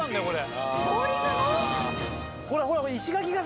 ほらほら。